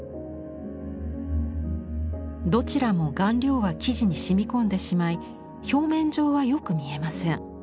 どちらも顔料は生地に染み込んでしまい表面上はよく見えません。